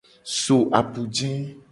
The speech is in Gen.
So apuje.